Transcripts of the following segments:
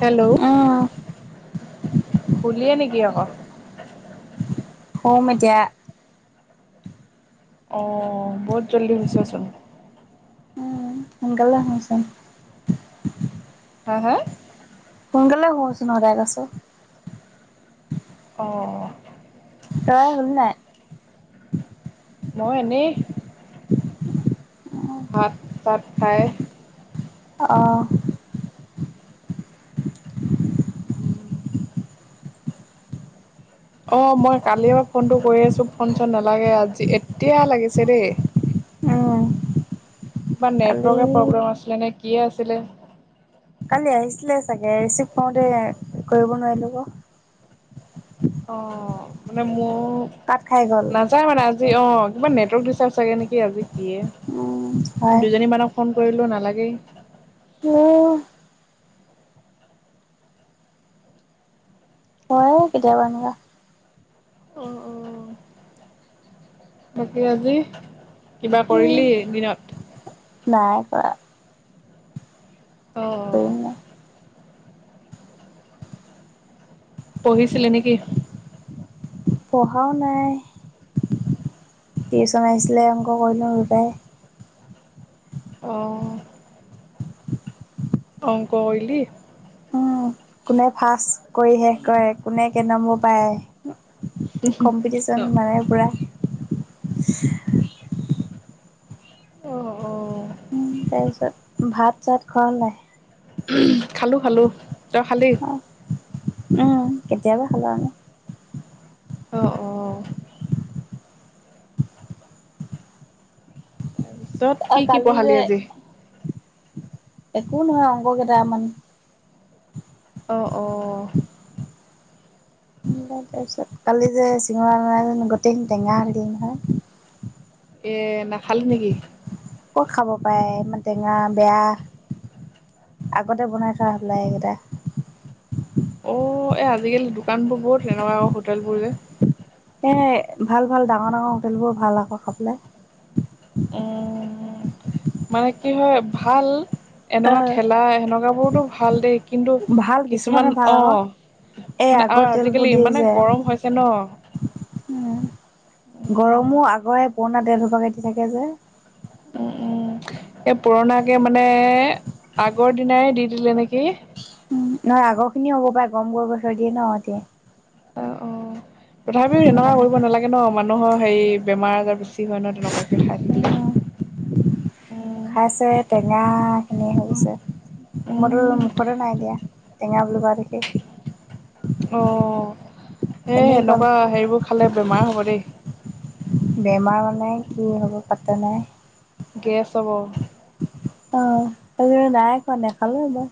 Hello উম, শুলিয়ে নেকি অক? শুম এতিয়া। অ বহুত জল্দি শুইছ চোন। উম সোনকালে শো‌ও চোন। হা-হা সোনকালে শোচোন সদায় কৈছোঁ। অঁ। তই শুলি নাই? মই এনেই [unintelligible] ভাত পাত খাই। অহ। অ মই কালিৰ পৰা ফোনটো কৰি আছো ফোন চোন নালাগে আজি এতিয়া লাগিছে দেই। উম, কিবা কালি নেটৱৰ্কে প্ৰব্লেম আছিলে নে কিয়ে আছিলে। কালি আহিছিলে চাগে ৰিচিভ কৰোতে কৰিব নোৱাৰিলোঁ ক। অ মানে মোৰ কাট খাই গ'ল। নাযায় মানে আ। অ কিবা নেটৱৰ্ক দিচটাপ চাগে নেকি আজি কি এই উম, নে হয় দুইজনী মানক ফোন। কৰিলো নালাগেই। অ। হয় কেতিয়াবা এনেকুৱা। অ অ। বাকী আজি কিবা উম, কৰিলি দিনত। আ। অঁ পেইনা। [unintelligible] [inaudible] পঢ়িছিলি নেকি। পঢ়াও নাই। টিউচন আহিছিলে অংক কৰিলোঁ ৰূপাই। অ। অংক ক‌ইলি। উম, কোনে ফাচ কৰি শেষ কৰে কোনে কে নম্ব পায়। কম্পিটিশ্যন অ' মানে পুৰা। অ হ। তাৰ পিছত ভাত চাত খোৱা হ'ল নাই। উম হম খালোঁ, খালোঁ তই খালি। অ' উম কেতিয়াবা খালোঁ আমি। অ' অ' তাৰপিছত অ' কি কি কালি যে পঢ়ালি আজি। একো নহয় অংককেইটামান। অ অ। তাৰপিছত কালি যে চিঙৰা অনা নাই জানো গোটেইখিনি টেঙা হৈ থাকিলে নহয়। এ নাখালি নেকি। ক'ত খাব পায় ইমান টেঙা, বেয়া। আগতে বনাই থোৱা হবলা এইকেইটা। অ এই আজিকালি দোকান বোৰ বহুত তেনেকুৱা হোটেল বোৰ যে। এ, ভাল -ভাল ডাঙৰ- ডাঙৰ হোটেলবোৰ ভাল আক খাবলে। উম, মানে কি হয় ভাল এনেকুৱা ঠেলা সেনেকুৱাবোৰতো ভাল দেই কিন্তু ভাল কিছুমানৰ কিছুমান ভাল অ। আকৌ এই মানে আগৰ আৰু তেলবোৰ আজিকালি দিয়ে ইমানে যে। গৰম হৈছে ন। গৰমো আগৰে পুৰণা তেল সোপা কে দি থাকে যে। উম উম। এই পুৰণাকে মানে আগৰ দিনাই দি দিলে নেকি। উ নাই আগৰ খিনিও হ'ব পাৰে গম কৈ কৈ থৈ দিয়ে ন এতিয়াই। অ অ তথাপিও তেনেকুৱা কৰিব নালাগে ন মানুহৰ হেই বেমাৰ আজাৰ বেছি। যি হয়নো তেনেকুৱাকে খাই থাকিলে। উম উম খাইছে টেঙাখিনিয়ে হৈ হৈছে মইতো উম মুখতে নাই দিয়া। টেঙা বুলি কোৱা দেখি। অ এ এনেই গ'ল এনেকুৱা হেৰিবোৰ খালে বেমাৰ হ'ব দেই। বেমাৰ মানে কি হ'ব পাত্ৰা নাই। গেছ হ'ব। অ এই নাই খোৱা নেখালোৱে ম‌ই।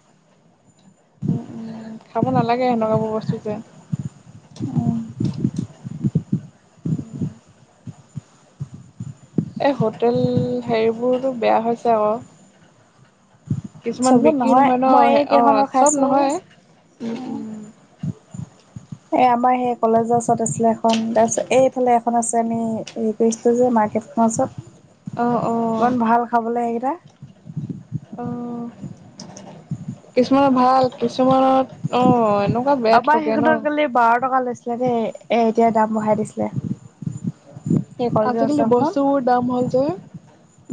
উম, উম খাব নালাগে হেনেকুৱাবোৰ বস্তু যে। উম। এই হোটেল সেইবোৰতো বেয়া হৈছে আক। কিছুমান চবত বিক্ৰী মই নহয় এই ন কেইখনৰ খাইছো অ চব নহয় উ, উ। [inaudible] এ আমাৰ সেই কলেজৰ ওচৰত আছিলে এখন তাৰপিছত এইফালে এখন আছে আমি হেৰি কৰিছিলো যে মাৰ্কেট ওচৰত অ অ ইমান ভাল খাবলৈ সেইকেইটা। অ কিছুমানৰ ভাল কিছুমানত অ। এনেকুৱা বেয়া আমাৰ ঠগে ন সেইখনত কালি বাৰ টকা লৈছিলে। আ দেই এ এতিয়া দাম বঢ়াই দিছিলে। এই কলেজৰ আজিকালি ওচৰখনত বস্তুবোৰ দাম হ'ল যে।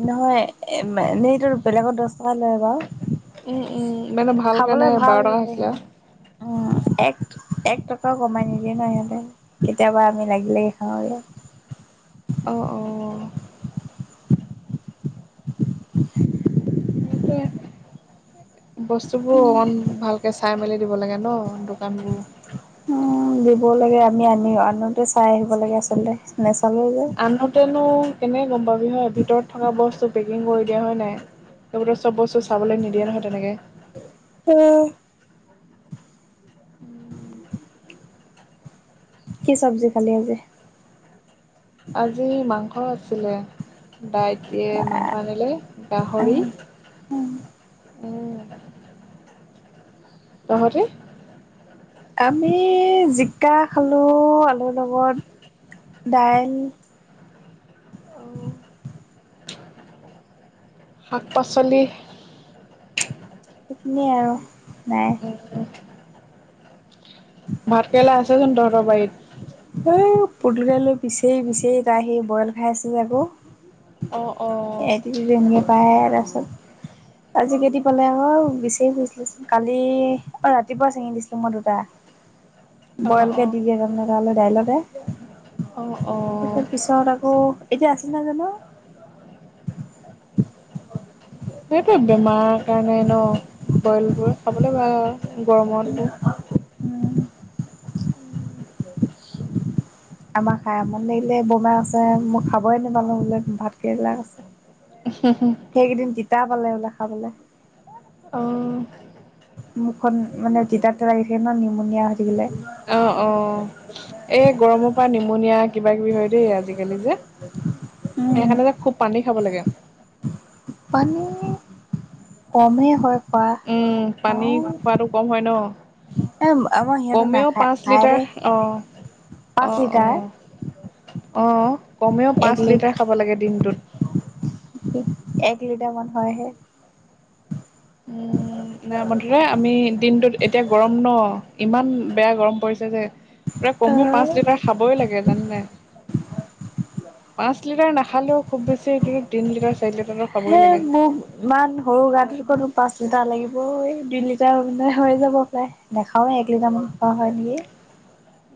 নহয়, এম এইটো বেলেগত দশ টকা লয় বাৰু। উম উম মানে ভাল কাৰণে বাৰ টকা হৈছিলে আৰু। অ এক এক টকাও কমাই নিদিয়ে ন সিহঁতে, কেতিয়াবা আমি লাগি লাগি খাওঁ আৰু। অ অ। সেইটোৱে, বস্তুবোৰ অকমান ভাল তে চাই মেলি দিব লাগে ন দোকানবোৰ। উম দিব লাগে আমি আনিও আনোতে চাই আহিব লাগে আচলতে নে আনোতেনো কেনেকে গম পাবি হয় ভিতৰত থকা বস্তু পেকিং কৰি দিয়ে হয় নাই? সেইবোৰতে চব বস্তু চাবলে নিদিয়ে নহয় তেনেকে। উম, কি চবজি খালি আজি? আজি মাংস আছিলে। দাইতিয়ে মাংস আনিলে গাহৰি। উম, উম। উম। তহঁতে? আমি জিকা খালো আলুৰ লগত। দাইল শাক -পাচলি সেইখিনিয়ে আৰু নাই। উম, ভাত কেৰেলা আছে জানো তহঁতৰ বাৰীত? এ পুতকাই লৈ পিছে পিছে তাই আহি বইল খাই আছে আকৌ। অ', অ', এটো এনেকে পায়ে তাৰপিছত। [inaudible] আজি কেইটি পালে ক বিচাৰি ফুৰিছিলে চুন কালি অ ৰাতিপুৱা ছিঙি দিছিলোং মই দুটা। [inaudible] বইল কে অ'। দি দিয়ে তাৰমানে তালে দাইলতে। অ', অ', তাৰপিছত আকৌ এতিয়া আছে নাই জানো সেইটোৱে বেমাৰৰ কাৰণে ন। বইলবোৰ খাবলৈ বা গৰমতো উম আমাৰ খাই আমনি লাগিলে বমাই কৈছে মই খাবই নেপালোং বোলে ভাতকেৰেলা কৈছে সেইকেইদিন তিতা পালে বুলে খাবলে। অ। মুখখন মানে তিতা- তিতা লাগিছে ন নিমনিয়া অ অ, এই গৰমৰ পৰা নিমনিয়া কিবা- কিবি হয় দেই আজিকালি যে। [inaudible] সেইকাৰণে যে খুব পানী খাব লাগে। পানী কমেই হয়। খোৱা উম পানী খাওঁ খোৱাটো কম হয় ন। এ আমাৰ সিহঁতে কমেও নাখায় পাঁচ খায় লিটাৰ দেই অ অ পাঁচ অ। লিটাৰ আহ কমেও এক পাঁচ লিট লিটাৰ খাব লাগে দিনটোত। এক লিটাৰমান হয় হে। উম ন মুঠতে আমি দিনটো এতিয়া গৰম ন? ইমান বেয়া গৰম পৰিছে যে। পুৰা অ কম পাঁচ লিটাৰ খাবই লাগে জানে নে নাই? পাঁচ লিটাৰ নাখালেও খুব বেছি এইটো তিনি লিটাৰ, চাৰি লিটাৰ খাবই সেই লাগে। মোক ইমান সৰু গাত পাঁচ লিটাৰ লাগিব ঐ দুই লিটাৰ মানে হৈ যাব কিজানি নাখাওঁৱে এক লিটাৰ মান খোৱা হয় নেকি।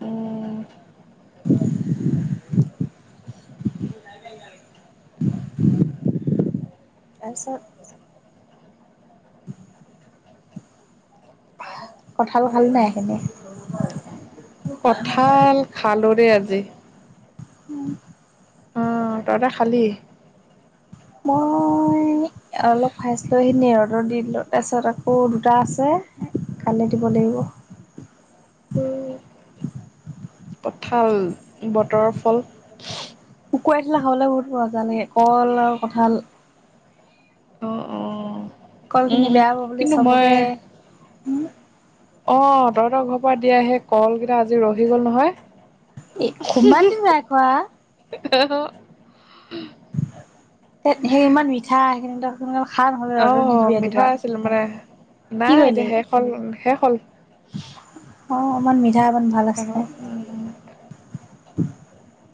উম। [unintelligible] তাৰপিছত। [unintelligible] কঠাল ভাল পাই এখেতে। কঁঠাল খালো দেই আজি। উমঁ। অঁ। তই কা খালি? মই- অলপ খাইছিলো সেইখিনি ৰ'দত দি দিলো তাৰপিছত আকৌ দুটা আছে- কাইলে দিব লাগিব। কঠাল। বতৰৰ ফল। সোকোৱাই থ'লে খাবলৈ বহুত মজা লাগে কল আৰু কঁঠাল। অ অ কল উম খিনি উম বেয়া হ'ব বুলি কিন্তু চবকে- অঁ তহঁতৰ ঘৰৰ পৰা দিয়া সেই কলকেইটা আজি ৰহি গ'ল নহয়। এ' ইমান দিন নাই খোৱা। অঁহ। সেই ইমান মিঠা সেইখিনি। খা নহ'লে ৰ'দত অঁহ দি দিবি মিঠা ৰাতিপুৱা। আছিল মানে কি নাই কৰিলি? এতিয়া শেষ হ'ল, শেষ হ'ল। [unintelligible] অঁ ইমান মিঠা। ইমান ভাল আৰু। আছিলে [unintelligible]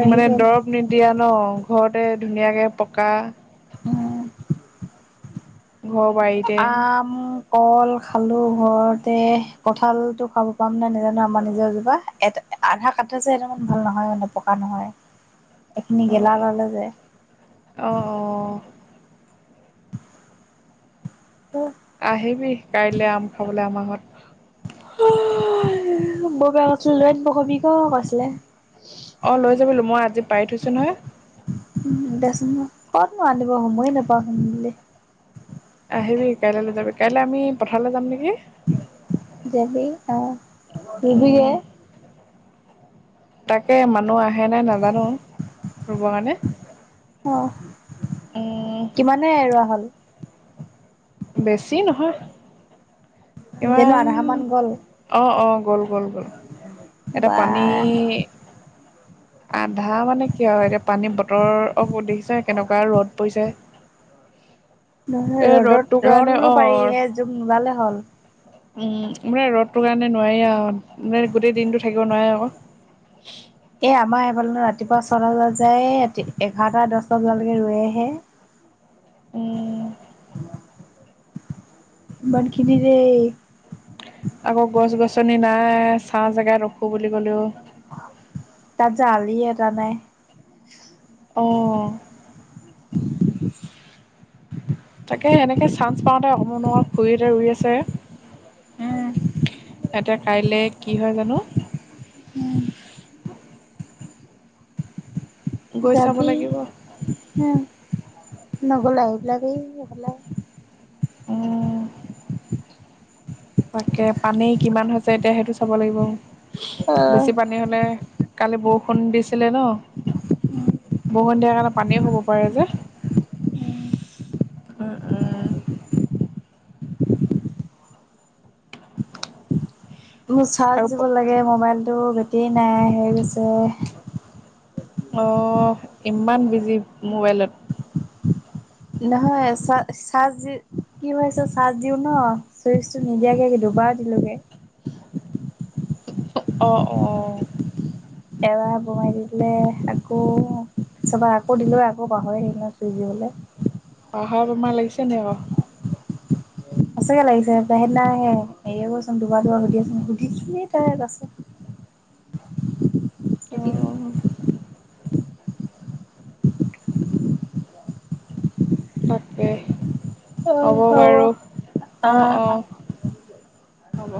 ৰহি মানে গ'ল। দৰৱ নিদিয়া ন' ঘৰতে ধুনীয়াকে পকা। উমঁ। ঘৰ বাৰীতে। কল খালো ঘৰতে কঠালতটো খাব পাম নাই নাজানো আমাৰ নিজৰ এজোপা এটা-। আধা কাটা যে সেই দখৰ ভাল নহয় মানে পকা নহয়। হয়। [unintelligible] সেইখিনি গেলা ওলালে যে। অ' অ' আহিবি কাইলৈ আম খাবলৈ আমাৰ ঘৰত। বৰমাই কৈছিলে লৈ আনিব কবি ক' কৈছিলে। অঁ লৈ যাবিহি মই আজি পাৰি থৈছো নহয়। উমঁ দেচোন ক'তনো আনিবই সময় নাপাওঁ চোন ঘধূলি। আহিবি কাইলৈ লৈ যাবি কাইলৈ আমি পথাৰলৈ যাম নেকি। অঁ ৰুবি গে? উম, তা'কে মানুহ আহে নাই নাজানো ৰুব কাৰণে। অ উম, কিমানে হে ৰুৱা হ'ল? বেছি নহয়। জানো ইমান আধা মান গ'ল অ অ গ'ল গ'ল গ'ল। এটা বা পানী- আধা মানে কি আৰু এতিয়া পানী বতৰ অ দেখিছেই কেনেকুৱা ৰ'দ পৰিছে। [unintelligible] নহয় এই ৰ'দটোৰ ৰ'দত ৰ'দ কাৰণে হ'লেও অ পাৰি জোক নোলালে হ'ল। উম মানে ৰ'দটো কাৰণে নোৱাৰি আৰু মানে গোটেই দিনতটো থাকিব নোৱাৰে আকৌ [unintelligible] এ আমাৰ এইফালেনো ৰাতিপুৱা ছটা বজাত যায়তি এঘাৰটা দহটা বজালৈকে ৰোৱেহে উম বনখিনৰেই আকৌ গছ গছনি নাই চাহ জেগাত ৰখো বুলি ক'লেও তাত যে আলি এটা নাই অ তাকেহে এনেকে চান্স পাওঁতে অকমান অকনমান খুৰিহঁতে ৰুই আছে। এতিয়া কাইলে কি হয় জানো। [unintelligible] গৈ চাব যাবি লাগিব। উ। নগলে আহি পেলাদেই এই ফালে। ওঁহ। তাকে পানী কিমান হৈছে এতিয়া সেইটো চাব লাগিব অ বেছি পানী হলে। কালি বৰষুণ দিছিলে ন। বহু সন্ধিয়া কাৰণে পানীও হব পাৰে যে। উম উম। মোৰ চাৰ্জ আৰু দিব লাগে মোবাইলটো বেটী নাই হেৰি যে। অহ ইমান বিজি মোবাইলত। নহয় চা চাৰজ দি কি হৈছে চাৰ্জ দিও ন চুইচটো নিদিয়াকে কিন্ত। বাৰ দিলোগে। অ অ। এবাৰ বমাই দি দিলে আকৌ চাবা আকৌ দিলোয়ে আকৌ চাবা পাহৰিলে ন চুই দিবলে। লে। পাহাৰ বেমাৰ লাগিছে নে অ। সঁচাকে লাগিছে সপাই সেদিনাইে হেয়ে কৰৈচোন দুবাৰ দুবাৰ সুধি ছ সুধিছিলি তই আছে। [unintelligible] চিঠি খন। অ' তাকে হ'ব বাৰু অ আহ অ। হ'ব।